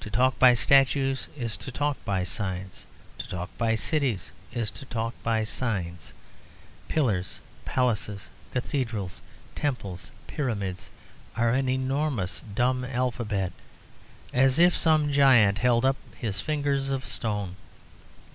To talk by statues is to talk by signs; to talk by cities is to talk by signs. Pillars, palaces, cathedrals, temples, pyramids, are an enormous dumb alphabet: as if some giant held up his fingers of stone.